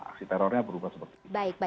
aksi terornya berubah seperti ini